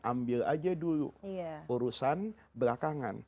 ambil aja dulu urusan belakangan